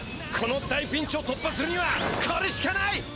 この大ピンチを突破するにはこれしかない！